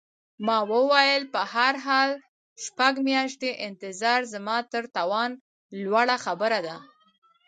ما وویل: په هر حال، شپږ میاشتې انتظار زما تر توان لوړه خبره ده.